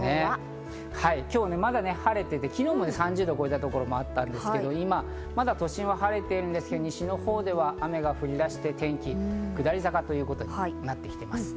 今日は晴れて、昨日は３０度を超えた所もあったんですが、都心は晴れているんですが西のほうでは雨が降り出して、天気下り坂ということになってきています。